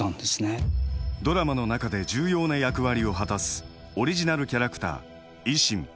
ドラマの中で重要な役割を果たすオリジナルキャラクター伊真。